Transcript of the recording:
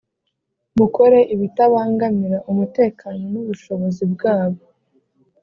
mukore ibitabangamira umutekano n ubushobozi bwabo.